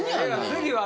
次は？